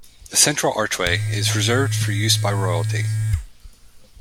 The central archway is reserved for use by royalty.